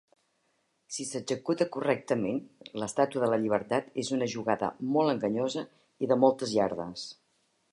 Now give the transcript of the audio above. Si s'executa correctament, l'Estàtua de la Llibertat és una jugada molt enganyosa i de moltes iardes.